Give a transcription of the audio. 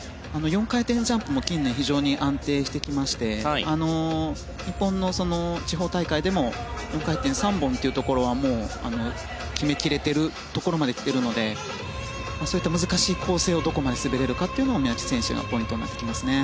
４回転のジャンプも近年、非常に安定してきまして日本の地方大会でも４回転３本というところはもう決めきれているところまできているのでそういった難しい構成をどこまで滑れるかが三宅選手のポイントになってきますね。